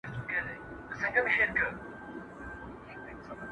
چي وجود را سره زما او وزر ستا وي،